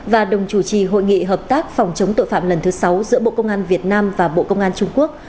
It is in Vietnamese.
và đồng chủ trì hội nghị hợp tác phòng chống tội phạm lần thứ sáu giữa bộ công an việt nam và bộ công an trung quốc